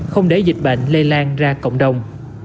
không để dịch bệnh lây lan ra cộng đồng